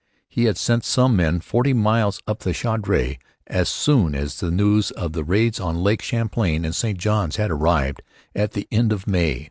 He had sent some men forty miles up the Chaudiere as soon as the news of the raids on Lake Champlain and St Johns had arrived at the end of May.